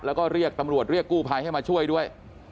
แล้วก็เรียกตำรวจเรียกกู้ภัยให้มาช่วยด้วย